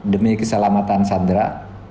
demi keselamatan sandera